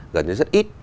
gần như rất ít